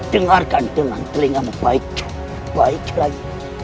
dengarkan dengan telingamu baik baik lagi